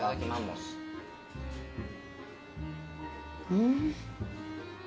うん。